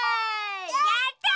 やった！